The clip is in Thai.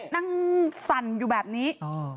นั่งสั่นอยู่แบบนี้